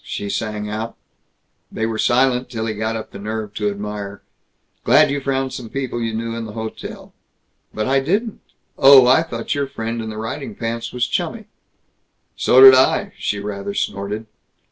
she sang out. They were silent till he got up the nerve to admire, "Glad you found some people you knew in the hotel." "But I didn't." "Oh, I thought your friend in the riding pants was chummy." "So did I!" She rather snorted.